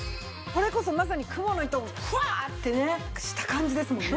これこそまさにクモの糸をフワーッてねした感じですもんね。